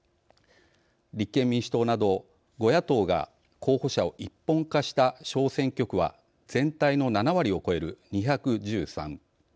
立憲民主党など５野党が候補者を一本化した小選挙区は全体の７割を超える２１３。